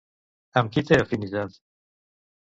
Amb qui té afinitat?